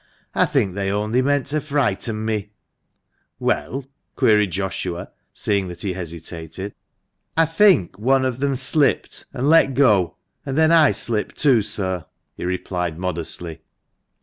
I think they only meant to frighten me "" Well ?" queried Joshua, seeing that he hesitated. "I think one of them slipped, and let go, and then I slipped too, sir," he replied, modestly.